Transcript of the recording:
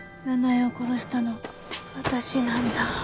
奈々江を殺したの私なんだ。